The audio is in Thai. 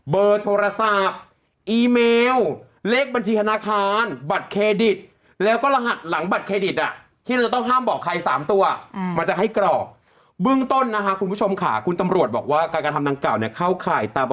เบอร์โทรศัพท์อีเมลเลขบัญชีธนาคารบัตรเครดิต